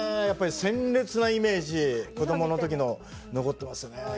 やっぱり鮮烈なイメージ子供の時の残ってますね。